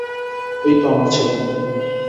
এইতো আমার ছেলে।